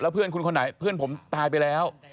เพื่อนคุณคนไหนเพื่อนผมตายไปแล้ว